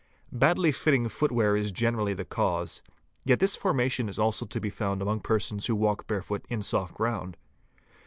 Badly fitting footwear is gene rally the cause. Yet this formation is also to be found among persons who work barefoot in soft ground.